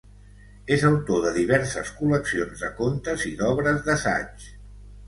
És autor de diverses col·leccions de contes i d’obres d’assaig.